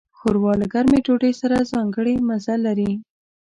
ښوروا له ګرمې ډوډۍ سره ځانګړی مزه لري.